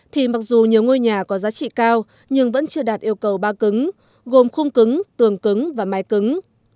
thì mặc dù nhiều ngôi nhà có giá trị cao nhưng vẫn chưa đạt yêu cầu ba cứng gồm khung cứng tường cứng và mái cứng